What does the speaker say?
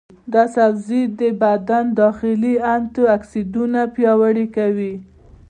دا سبزی د بدن داخلي انټياکسیدانونه پیاوړي کوي.